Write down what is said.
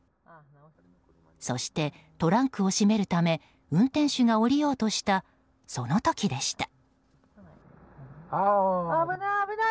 そして、トランクを閉めるため運転手が降りようとしたその時でした。